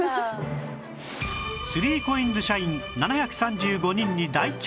３ＣＯＩＮＳ 社員７３５人に大調査